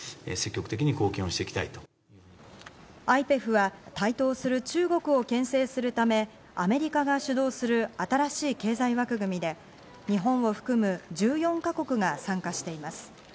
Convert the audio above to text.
ＩＰＥＦは台頭する中国をけん制するため、アメリカが主導する新しい経済枠組みで、日本を含む１４か国が参加しています。